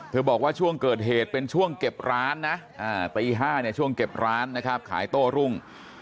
บอกว่าช่วงเกิดเหตุเป็นช่วงเก็บร้านนะตี๕เนี่ยช่วงเก็บร้านนะครับขายโต้รุ่ง